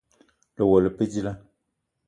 Lewela le pe dilaah?